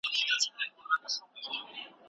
خاوره موږ ته ډوډۍ راکوي.